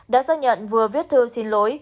đã xác nhận vừa viết thư xin lỗi